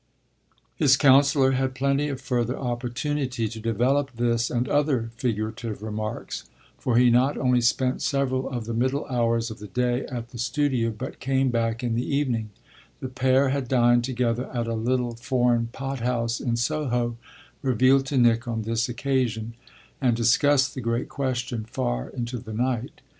XXIV His counsellor had plenty of further opportunity to develop this and other figurative remarks, for he not only spent several of the middle hours of the day at the studio, but came back in the evening the pair had dined together at a little foreign pothouse in Soho, revealed to Nick on this occasion and discussed the great question far into the night.